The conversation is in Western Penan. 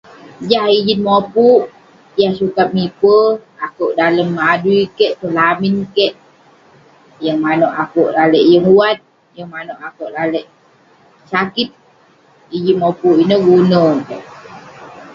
Jah ijin mopuk yah sukat mipe akeuk dalem adui kek tong lamin kek, yeng maneuk akeuk lalek yeng uwat, yeng maneuk akeuk lalek shakit. Ijin mopuk ineh gune kek.